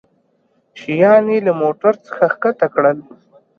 شيان يې له موټرڅخه کښته کړل.